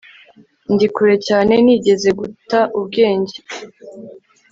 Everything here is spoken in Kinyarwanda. ndi kure cyane? nigeze guta ubwenge